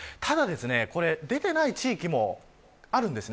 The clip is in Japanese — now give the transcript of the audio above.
ただ、出ていない地域もあるんです。